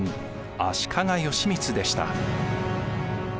足利義満でした。